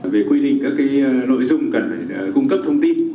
về quy định các nội dung cần phải cung cấp thông tin